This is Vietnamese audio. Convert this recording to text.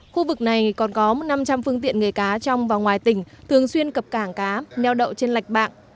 khu vực này còn có năm trăm linh phương tiện nghề cá trong và ngoài tỉnh thường xuyên cập cảng cá neo đậu trên lạch bạng